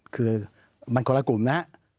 คือมันคนละกลุ่มนะ